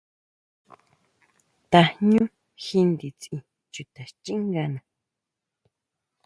Tajñú ji nditsin chuta xchíngana.